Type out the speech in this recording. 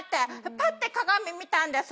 パッて鏡見たんです。